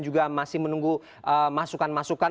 juga masih menunggu masukan masukan